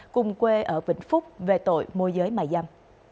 cùng quê ở vĩnh phúc về tội mua giới mà giam